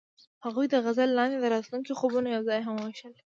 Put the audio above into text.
هغوی د غزل لاندې د راتلونکي خوبونه یوځای هم وویشل.